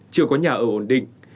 chưa có nhà ở ổn định